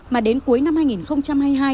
mà đến cuối năm hai nghìn hai mươi hai